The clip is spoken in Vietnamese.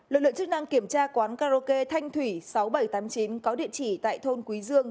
lực lượng chức năng kiểm tra quán karaoke thanh thủy sáu nghìn bảy trăm tám mươi chín có địa chỉ tại thôn quý dương